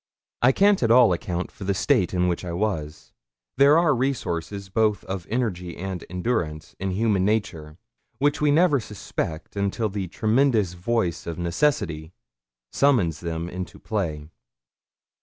I can't at all account for the state in which I was. There are resources both of energy and endurance in human nature which we never suspect until the tremendous voice of necessity summons them into play.